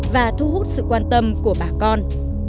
và thu hút sự quan tâm của bà con